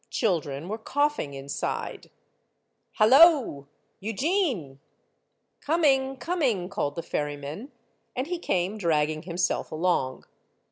Children were coughing inside. '' Hallo !— Eugene !"*' Coming, coming !" called the ferryman ; and he came, dragging himself along.